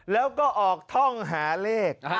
แล้วก็ออกท่องหาเลข